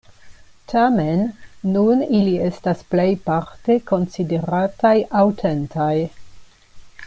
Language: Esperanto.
Tamen, nun ili estas plejparte konsiderataj aŭtentaj.